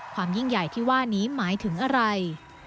ยิ่งใหญ่ที่ว่านี้หมายถึงอะไร